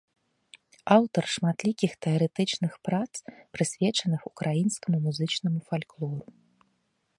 Аўтар шматлікіх тэарэтычных прац, прысвечаных украінскаму музычнаму фальклору.